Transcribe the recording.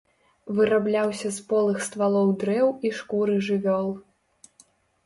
Вырабляўся з полых ствалоў дрэў і шкуры жывёл.